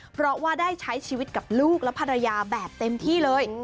เพราะว่าได้ใช้ชีวิตกับลูกและภรรยาแบบเต็มที่เลย